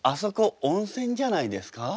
温泉じゃないですか？